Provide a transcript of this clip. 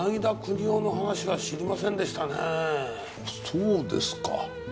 そうですか。